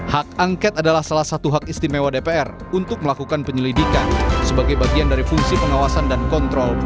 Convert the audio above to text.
hak angket adalah salah satu hak istimewa dpr untuk melakukan penyelidikan sebagai bagian dari fungsi pengawasan dan kontrol